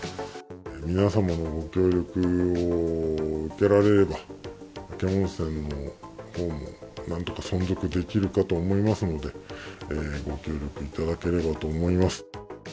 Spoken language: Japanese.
皆様のご協力を受けられれば、嶽温泉のほうもなんとか存続できるかと思いますので、ご協力いただければと思います。